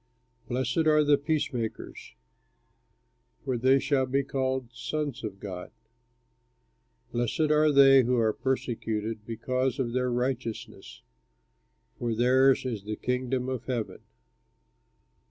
Blessed are the peacemakers, For they shall be called the sons of God. Blessed are they who are persecuted because of their righteousness, For theirs is the Kingdom of Heaven.